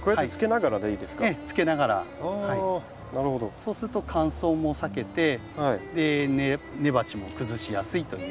そうすると乾燥も避けて根鉢も崩しやすいという。